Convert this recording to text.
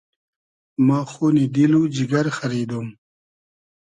ما خونی دیل و جیگر خئریدوم